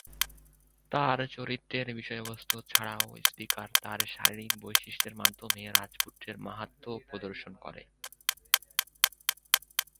তাঁর চরিত্রের বিষয়বস্তু ছাড়াও স্পিকার তার শারীরিক বৈশিষ্ট্যের মাধ্যমে রাজপুত্রের মাহাত্ম্য প্রদর্শন করে।